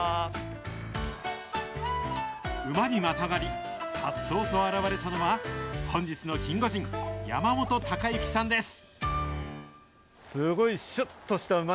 馬にまたがり、さっそうと現れたのは、本日のキンゴジン、山本高之さんです。